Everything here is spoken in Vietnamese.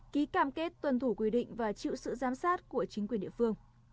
ký cam kết tuân thủ quy định và chịu sự giám sát của chính quyền địa phương